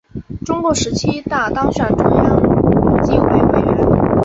中共十七大当选中央纪委委员。